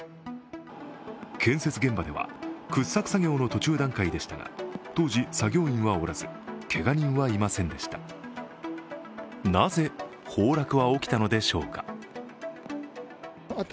建設現場では掘削作業の途中段階でしたが当時、作業員はおらずけが人はいませんでした。